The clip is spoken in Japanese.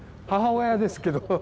母親ですけど。